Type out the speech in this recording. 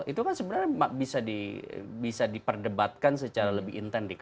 itu kan sebenarnya bisa diperdebatkan secara lebih intensif